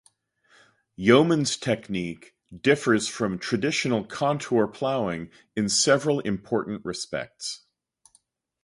Yeomans' technique differs from traditional contour plowing in several important respects.